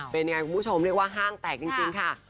เป็นยังไงคุณผู้ชมเรียกว่าห้างแตกจริงค่ะ